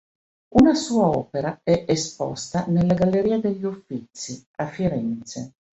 Una sua opera è esposta nella Galleria degli Uffizi, a Firenze.